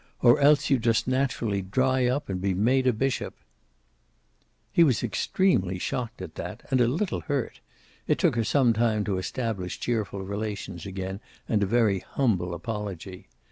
Or else you'd just naturally dry up and be made a bishop." He was extremely shocked at that, and a little hurt. It took her some time to establish cheerful relations again, and a very humble apology.